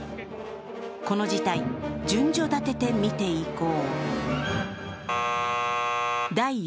この事態、順序立てて見ていこう。